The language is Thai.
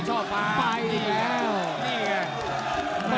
ช่อมฟ้า